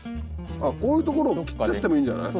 あこういう所を切っちゃってもいいんじゃない？